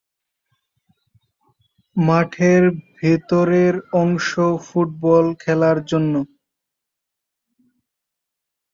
মাঠের ভেতরের অংশ ফুটবল খেলার জন্য।